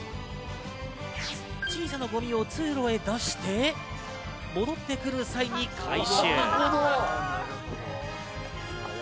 小さなゴミを通路へ出して戻ってくる際に回収。